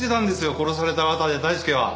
殺された綿谷大介は。